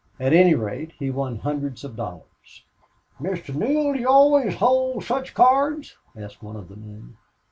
At any rate, he won hundreds of dollars. "Mr. Neale, do you always hold such cards?" asked one of the men.